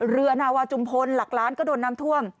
นาวาจุมพลหลักล้านก็โดนน้ำท่วม